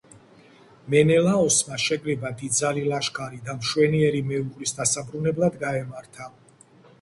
მენელაოსმა შეკრიბა დიდძალი ლაშქარი და მშვენიერი მეუღლის დასაბრუნებლად გაემართა.